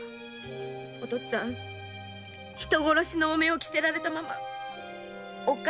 お父っつぁん人殺しの汚名を着せられたままおっか